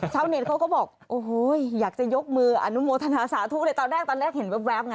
เช้าเน็ตเขาก็บอกโอ้โหอยากจะยกมืออนุโมทนาศาสตร์ตอนแรกเห็นแบบไง